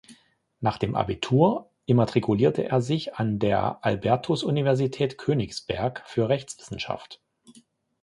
Nach dem Abitur immatrikulierte er sich an der Albertus-Universität Königsberg für Rechtswissenschaft.